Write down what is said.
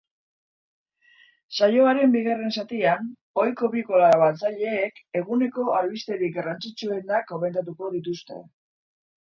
Saioaren bigarren zatian, ohiko bi kolaboratzailek eguneko albisterik garrantzitsuenak komentatuko dituzte.